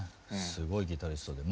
すごいギタリストで。